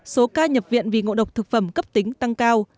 số ca nhập viện vì ngộ độc thực phẩm cấp tính tăng cao